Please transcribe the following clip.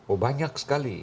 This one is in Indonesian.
oh banyak sekali